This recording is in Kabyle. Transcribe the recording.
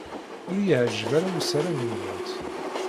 Ur iyi-yeɛjib ara usaran-nwent.